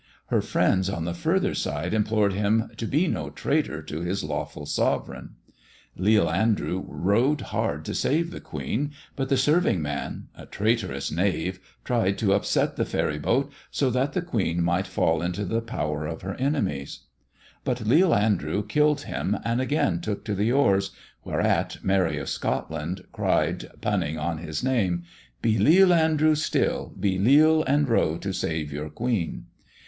Her friends on the further side implored him to be no traitor to his lawful sovereign. Leal Andrew rowed hard to save the Queen ; btit the serving man, a traitorous knave, tried to upset the ferry boat so that the Queen might fall into the power of THE dwarf's chamber 19 her enemies. But Leal Andrew killed him and again took to the oars, whereat Mary of Scotland cried, punning on his name, * Be Leal Andrew still — be leal and row to save your Queen.'